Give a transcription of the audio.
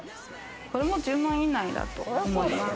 これも１０万円以内だと思います。